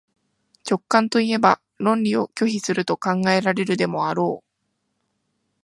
直観といえば論理を拒否すると考えられるでもあろう。